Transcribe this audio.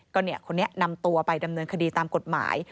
ก็เนี่ยคนนี้นำตัวไปดำเนินคดีตามกฎหมาย